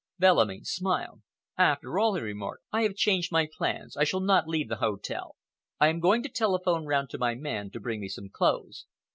Bellamy smiled. "After all," he remarked, "I have changed my plans. I shall not leave the hotel. I am going to telephone round to my man to bring me some clothes.